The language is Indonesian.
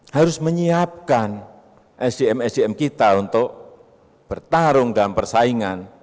harus menyiapkan sdm sdm kita untuk bertarung dalam persaingan